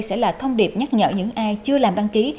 sẽ là thông điệp nhắc nhở những ai chưa làm đăng ký